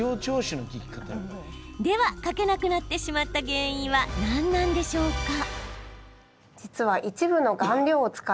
では、書けなくなってしまった原因は何なんでしょうか？